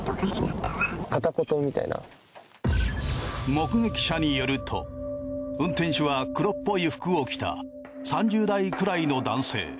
目撃者によると運転手は黒っぽい服を着た３０代くらいの男性。